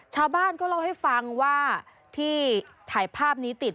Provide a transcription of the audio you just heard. ชาวบ้านก็เล่าให้ฟังว่าที่ถ่ายภาพนี้ติด